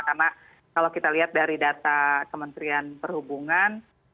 karena kalau kita lihat dari data kementerian perhubungan